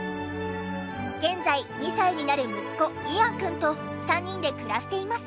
現在２歳になる息子イアンくんと３人で暮らしています。